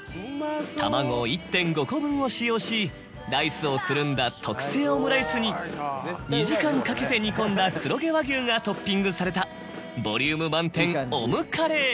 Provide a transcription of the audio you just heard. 卵１．５個分を使用しライスをくるんだ特製オムライスに２時間かけて煮込んだ黒毛和牛がトッピングされたボリューム満点オムカレー。